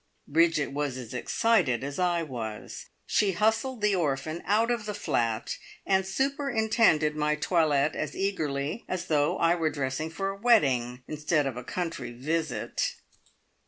Bridget was as excited as I was. She hustled the orphan out of the flat, and superintended my toilette as eagerly as though I were dressing for a wedding, instead of a country visit.